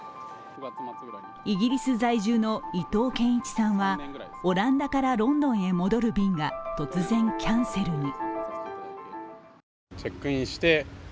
イギリス在住の伊藤健一さんはオランダからロンドンへ戻る便が突然、キャンセルに。